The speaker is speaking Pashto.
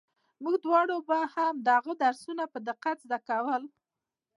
موږ دواړو به هم د هغه درسونه په دقت زده کول.